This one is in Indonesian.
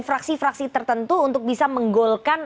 fraksi fraksi tertentu untuk bisa menggolkan